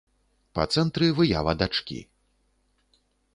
Па цэнтры выява дачкі.